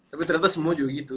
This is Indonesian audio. tapi ternyata semua juga gitu